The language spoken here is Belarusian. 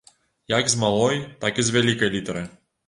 Як з малой, так і з вялікай літары.